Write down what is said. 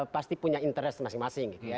pasti punya interest masing masing gitu ya